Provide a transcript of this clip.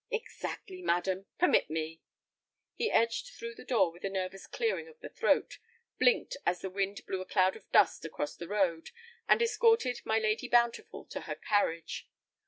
"Exactly, madam. Permit me—" He edged through the door with a nervous clearing of the throat, blinked as the wind blew a cloud of dust across the road, and escorted my Lady Bountiful to her carriage.